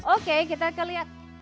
oke kita kelihat